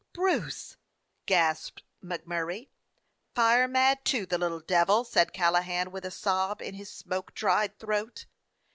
"Bruce!" gasped MacMurray. "Fire mad, too, the little devil!" said Calla han, with a sob in his smoke dried throat.